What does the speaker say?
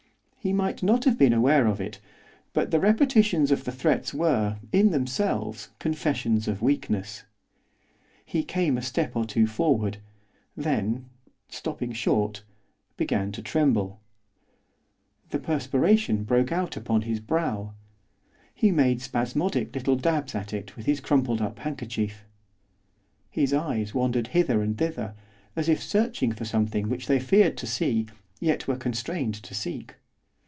He might not have been aware of it, but the repetitions of the threats were, in themselves, confessions of weakness. He came a step or two forward, then, stopping short, began to tremble. The perspiration broke out upon his brow; he made spasmodic little dabs at it with his crumpled up handkerchief. His eyes wandered hither and thither, as if searching for something which they feared to see yet were constrained to seek.